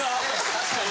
確かに！